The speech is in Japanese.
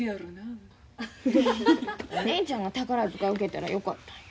お姉ちゃんが宝塚受けたらよかったんや。